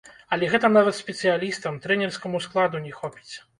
Але гэта нават спецыялістам, трэнерскаму складу не хопіць.